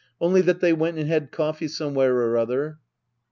Only that they went and had cofTee somewhere or other.